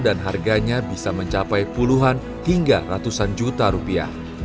harganya bisa mencapai puluhan hingga ratusan juta rupiah